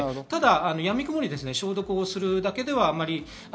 やみくもに消毒をするだけではあまり。